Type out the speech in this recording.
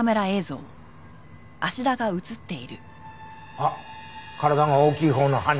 あっ体が大きいほうの犯人！